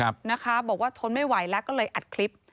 บอกว่าทนไม่ไหวแล้วก็เลยอัดคลิป